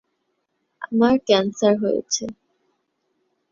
আমার ক্যান্সার হয়েছে।